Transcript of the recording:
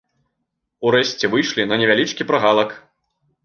Урэшце выйшлі на невялічкі прагалак.